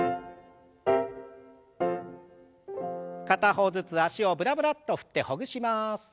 片方ずつ脚をブラブラッと振ってほぐします。